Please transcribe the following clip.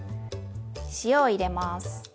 塩を入れます。